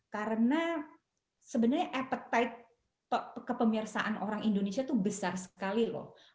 karena sebenarnya appetite kepemirsaan orang indonesia itu besar sekali loh